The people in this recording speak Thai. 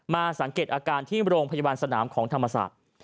สังเกตอาการที่โรงพยาบาลสนามของธรรมศาสตร์